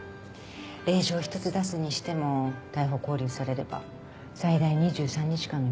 令状一つ出すにしても逮捕勾留されれば最大２３日間の身柄拘束。